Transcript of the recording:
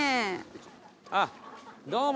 あっどうも。